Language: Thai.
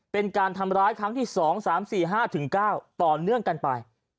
เป็นการทำร้ายครั้งที่๒๓๔๕๙ต่อเนื่องกันไป